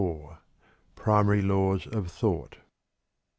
Primary Laws of Thought.